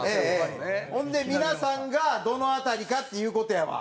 ほんで皆さんがどの辺りかっていう事やわ。